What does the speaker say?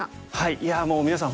いやもうみなさん